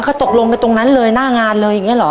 เขาตกลงกันตรงนั้นเลยหน้างานเลยอย่างนี้เหรอ